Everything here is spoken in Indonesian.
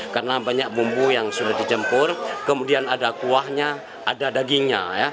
karena banyak bumbu yang sudah dicempur kemudian ada kuahnya ada dagingnya